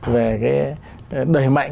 về cái đẩy mạnh